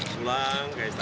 pulang ke jakarta